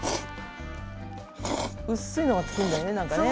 薄いのがつくんだよね。